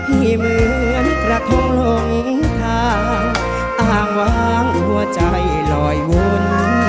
พี่เหมือนประทงลงทางอ้างว้างหัวใจลอยวุ้น